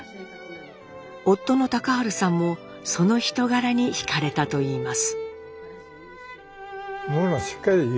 夫の隆治さんもその人柄にひかれたといいます。